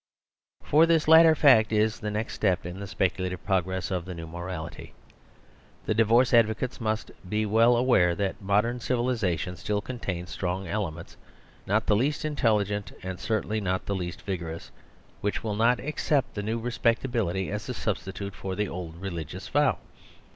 The Vista of Divorce 187 For this latter fact is the next step in the speculative progress of the new morality. The divorce adv ocates must be well aware that ~ III i ___^_ 1 1 ..■■. I . I . ...■Ill 1 modern civilisation still contains strong ele ments, not the least intelligent and certainly not the least vigorous, which will not ac cept the new respectability as a substitut e for j hc[ old relTgious vow.